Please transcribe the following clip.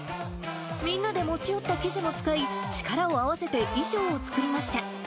みんなで持ち寄った生地も使い、力を合わせて衣装を作りました。